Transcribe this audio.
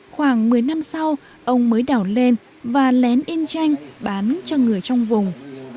khoảng một mươi năm sau ông mới đào lên và lén in tranh bán cho người trong vùng